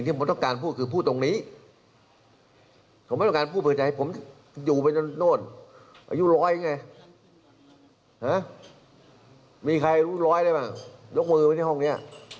ห็่อมีใครรู้ล้อยได้ป่ะลบมือมาในห้องนี้